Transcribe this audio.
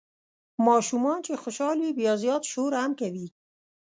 ماشومان چې خوشال وي بیا زیات شور هم کوي.